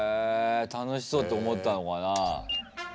楽しそうと思ったのかなぁ。